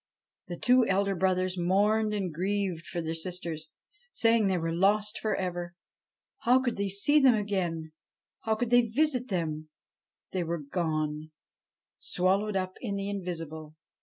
The two elder brothers mourned and grieved for their sisters, saying they were lost for ever. How could they see them again ? How could they visit them ? They were gone swallowed up in the invisible.